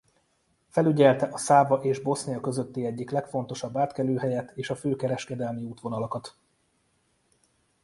Felügyelte a Száva és Bosznia közötti egyik legfontosabb átkelőhelyet és a fő kereskedelmi útvonalakat.